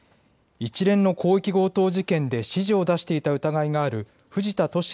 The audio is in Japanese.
一連の広域強盗事件で指示を出していた疑いがある藤田聖也